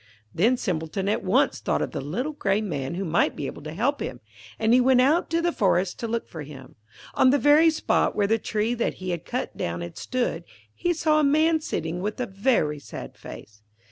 Then Simpleton at once thought of the little grey Man who might be able to help him, and he went out to the forest to look for him. On the very spot where the tree that he had cut down had stood, he saw a man sitting with a very sad face.